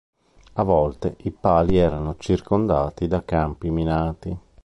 A volte, i pali erano circondati da campi minati.